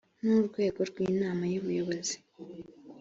n urwego rw inama y ubuyobozi